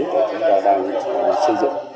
chúng ta đang xây dựng